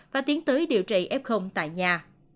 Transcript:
và tiến tới điều trị f tại nhà